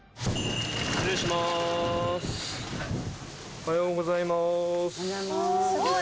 おはようございます。